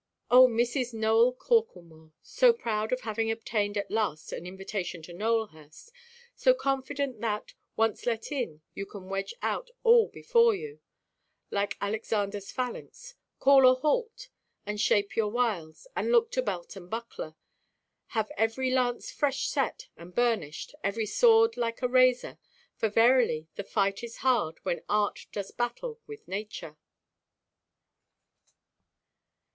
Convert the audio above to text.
Oh, Mrs. Nowell Corklemore—so proud of having obtained at last an invitation to Nowelhurst, so confident that, once let in, you can wedge out all before you, like Alexanderʼs phalanx—call a halt, and shape your wiles, and look to belt and buckler, have every lance fresh set and burnished, every sword like a razor; for verily the fight is hard, when art does battle with nature.